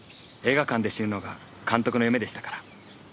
映画館で死ぬのが監督の夢でしたから。